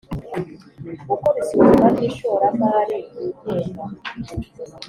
gukora isuzuma ry ishoramari ryigenga